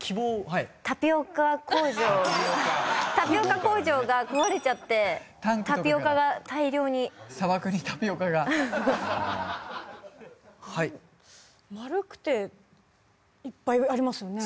はいタピオカ工場タピオカ工場が壊れちゃってタピオカが大量に砂漠にタピオカがはい丸くていっぱいありますよね